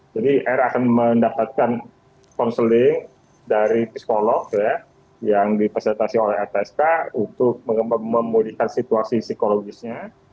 jadi r akan mendapatkan counseling dari psikolog yang dipersetasi oleh lpsk untuk memudikan situasi psikologisnya